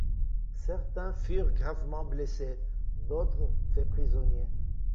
Certains furent gravement blessés, d'autres fait prisonnier.